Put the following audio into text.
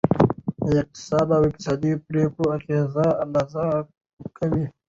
اقتصاد د اقتصادي پریکړو اغیزه اندازه کوي.